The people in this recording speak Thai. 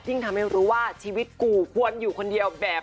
ทำให้รู้ว่าชีวิตกูควรอยู่คนเดียวแบบ